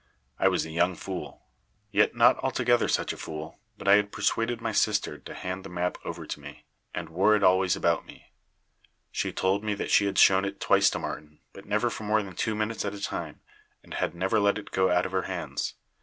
I was a young fool, yet not altogether such a fool but I had persuaded my sister to hand the map over to me, and wore it always about me. She told me that she had shown it twice to Martin, but never for more than two minutes at a time, and had never let it go out of her hands.